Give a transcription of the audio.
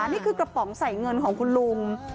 นี่คือกระป๋องใส่เงินของคุณลุง